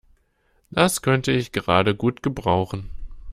Das könnte ich gerade gut gebrauchen.